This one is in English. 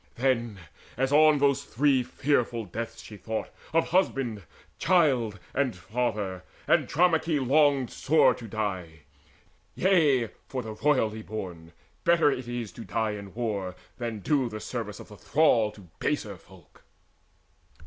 Then, as on those three fearful deaths she thought Of husband, child, and father, Andromaehe Longed sore to die. Yea, for the royally born Better it is to die in war, than do The service of the thrall to baser folk.